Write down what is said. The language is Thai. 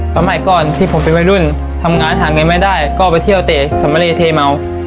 สมัยก่อนที่ผมเป็นวัยรุ่นทำงานหาเงินไม่ได้ก็ไปเที่ยวเตะสำเรเทเมา